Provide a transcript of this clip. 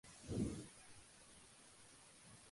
La aldea no tuvo maestro en los siguientes cuatro años.